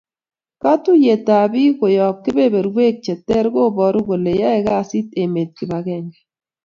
Katuyet ak bik koyap kebeberwek che ter kobaru kole yae kasit emet kibagenge